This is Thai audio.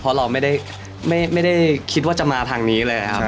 เพราะเราไม่ได้ไม่ได้คิดว่าจะมาทางนี้เลยแล้วตลอด